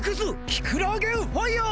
キクラーゲンファイヤー！